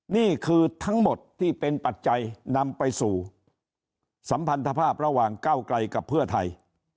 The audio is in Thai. นี่คือทั้งหมดที่เป็นปัจจัยนำไปสู่สัมพันธภาพระหว่างเก้าไกลกับเพื่อไทย